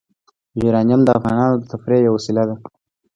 یورانیم د افغانانو د تفریح یوه وسیله ده.